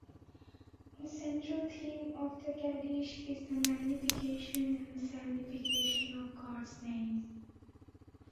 The central theme of the Kaddish is the magnification and sanctification of God's name.